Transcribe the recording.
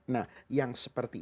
nah yang seperti